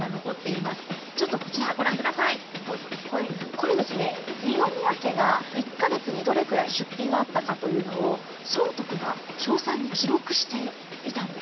これですね二宮家が１か月にどれくらい出費があったかというのを尊徳が詳細に記録していたんです。